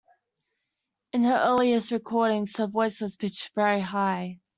In her earliest recordings her voice was pitched very high.